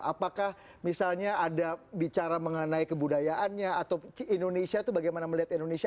apakah misalnya ada bicara mengenai kebudayaannya atau indonesia itu bagaimana melihat indonesia